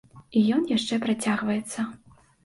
І ён яшчэ працягваецца.